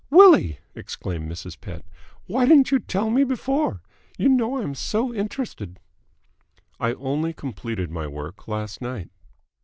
"Willie!" exclaimed Mrs. Pett. "Why didn't you tell me before? You know I am so interested." "I only completed my work last night."